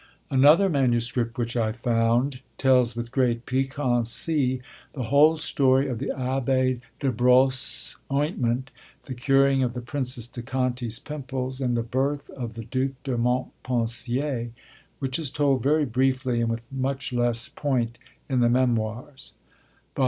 Another manuscript which I found tells with great piquancy the whole story of the Abbé de Brosses' ointment, the curing of the Princess de Conti's pimples, and the birth of the Duc de Montpensier, which is told very briefly, and with much less point, in the Memoirs (vol.